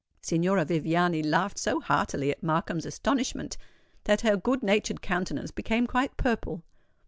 Signora Viviani laughed so heartily at Markham's astonishment, that her good natured countenance became quite purple.